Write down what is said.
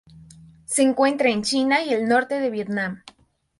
Se encuentra en China y el norte de Vietnam.